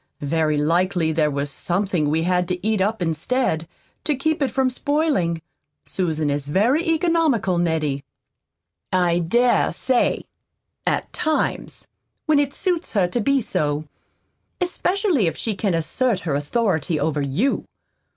Very likely there was something we had to eat up instead, to keep it from spoiling. Susan is very economical, Nettie." "I dare say at times, when it suits her to be so, especially if she can assert her authority over you.